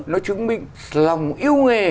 nó chứng minh lòng yêu nghề